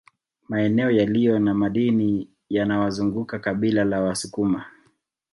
Maeneo yaliyo na madini yanawazunguka kabila la Wasukuma